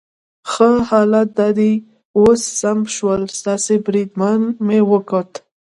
ښه، حالات دا دي اوس سم شول، ستاسي بریدمن مې وکوت.